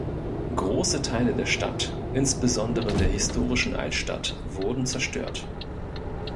Große Teile der Stadt, insbesondere der historischen Altstadt, wurden zerstört.